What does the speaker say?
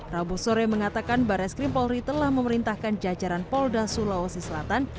rabu sore mengatakan barres krim polri telah memerintahkan jajaran polda sulawesi selatan